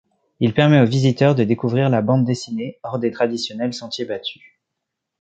Il permet au visiteur de découvrir la bande dessinée hors des traditionnels sentiers battus.